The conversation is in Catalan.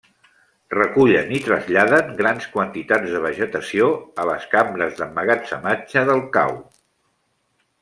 Recullen i traslladen grans quantitats de vegetació a les cambres d'emmagatzematge del cau.